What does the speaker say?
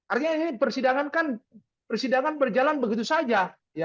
artinya ini persidangan kan persidangan berjalan begitu saja